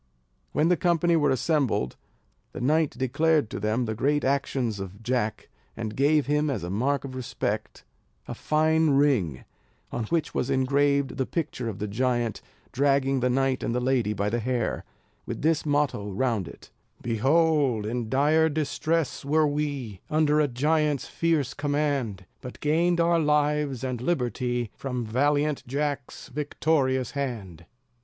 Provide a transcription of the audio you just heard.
When the company were assembled, the knight declared to them the great actions of Jack, and gave him, as a mark of respect, a fine ring, on which was engraved the picture of the giant dragging the knight and the lady by the hair, with this motto round it: "Behold, in dire distress were we, Under a giant's fierce command; But gained our lives and liberty, From valiant Jack's victorious hand."